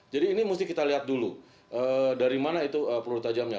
jadi ini mesti kita lihat dulu dari mana itu peluru tajamnya